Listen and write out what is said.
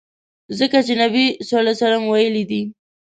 ځکه چي نبي ص ویلي دي.